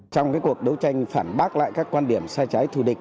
trong cuộc đấu tranh phản bác lại các quan điểm sai trái thù địch